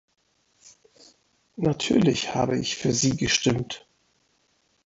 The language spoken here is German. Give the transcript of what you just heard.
Natürlich habe ich für sie gestimmt.